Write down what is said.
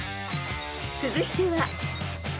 ［続いては］